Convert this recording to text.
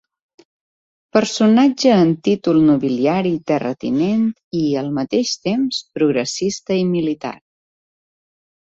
Personatge amb títol nobiliari i terratinent i, al mateix temps, progressista i militar.